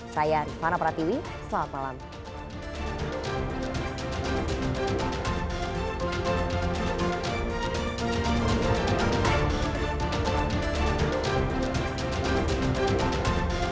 saya rifana pratiwi selamat malam